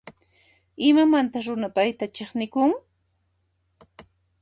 Imamantas runa payta chiqnikun?